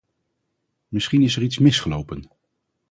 Misschien is er iets misgelopen.